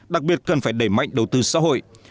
đặc biệt cần phải đẩy mạnh đầu tư xã hội